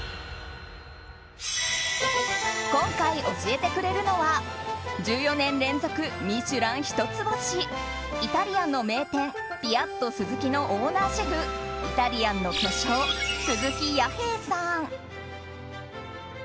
今回、教えてくれるのは１４年連続「ミシュラン」一つ星イタリアンの名店ピアットスズキのオーナーシェフイタリアンの巨匠鈴木弥平さん。